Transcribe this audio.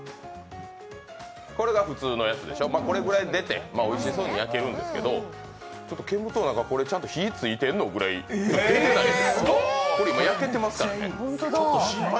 これが普通のやつでしょ、これぐらい出ておいしそうに焼けるんですけど、けむとうなかぁ、これ火が付いているのというぐらい、煙が出ていない、これ今、焼けてますからね。